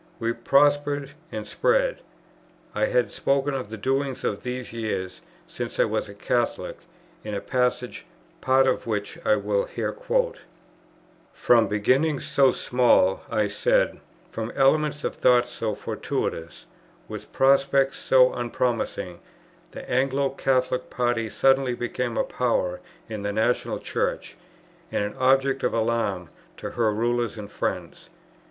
We prospered and spread. I have spoken of the doings of these years, since I was a Catholic, in a passage, part of which I will here quote: "From beginnings so small," I said, "from elements of thought so fortuitous, with prospects so unpromising, the Anglo Catholic party suddenly became a power in the National Church, and an object of alarm to her rulers and friends.